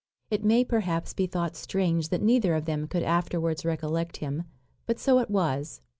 It may, perhaps, be thought strange that neither of them could afterwards recollect him; but so it was.